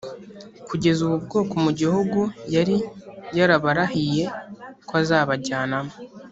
kugeza ubu bwoko mu gihugu yari yarabarahiye ko azabajyanamo